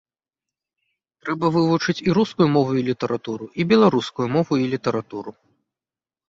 Трэба вывучыць і рускую мову і літаратуру, і беларускую мову і літаратуру.